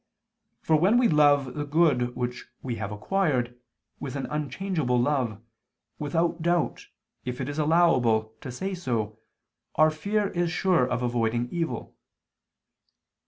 For when we love the good which we have acquired, with an unchangeable love, without doubt, if it is allowable to say so, our fear is sure of avoiding evil.